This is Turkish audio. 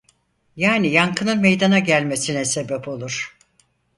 Yani yankının meydana gelmesine sebep olur.